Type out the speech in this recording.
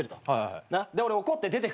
で俺怒って出てくから。